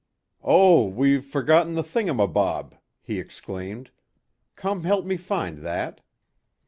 "Oh, we've forgotten the thingumabob," he exclaimed, "come help me find that."